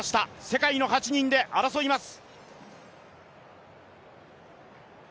世界の８人で争います。